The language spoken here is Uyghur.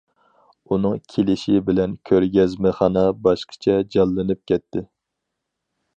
ئۇنىڭ كېلىشى بىلەن كۆرگەزمىخانا باشقىچە جانلىنىپ كەتتى.